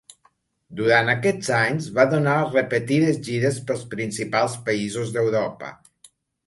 Durant aquests anys, va donar repetides gires pels principals països d'Europa.